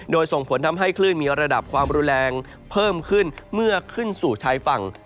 โดยส่งผลทำให้คลื่นมีระดับความรุนแรงเพิ่มขึ้นเมื่อขึ้นสู่ชายฝั่ง